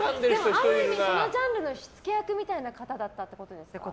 ある意味そのジャンルの火付け役みたいな方だったってこと？